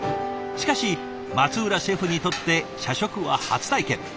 しかし松浦シェフにとって社食は初体験。